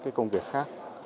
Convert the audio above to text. các công việc khác